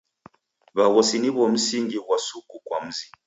W'aghosi niw'o msingi ghwa suku kwa mzi.